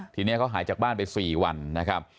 ทีนี้เขาหายจากบ้านไป๔วันนะครับ